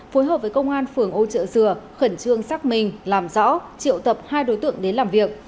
phối hợp với công an phường âu trợ dừa khẩn trương xác minh làm rõ triệu tập hai đối tượng đến làm việc